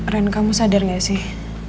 ren kamu sadar gak sih